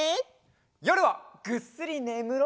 よるはぐっすりねむろう！